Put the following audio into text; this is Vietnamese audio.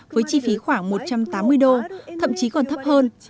với chi phí khoảng một trăm tám mươi đô thậm chí còn thấp hơn